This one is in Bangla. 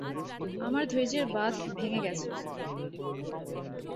আমার ধৈর্যের বাঁধ ভেঙে গেছে।